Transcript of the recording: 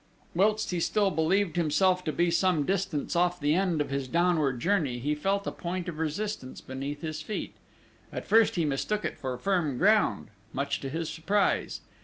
Whilst he still believed himself to be some distance off the end of his downward journey, he felt a point of resistance beneath his feet. At first he mistook it for firm ground, much to his surprise.